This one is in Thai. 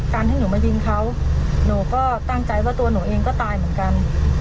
ให้หนูมายิงเขาหนูก็ตั้งใจว่าตัวหนูเองก็ตายเหมือนกัน